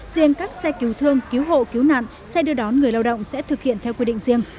riêng các xe cứu thương cứu hộ cứu nạn xe đưa đón người lao động sẽ thực hiện theo quy định riêng